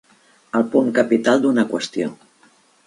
El punt capital d'una qüestió.